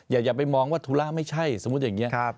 อย่าไปมองว่าธุระไม่ใช่สมมุติอย่างนี้